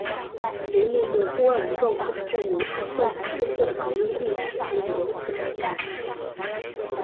一幕幕波澜壮阔的战役和动人心魄的革命历史也由此展开。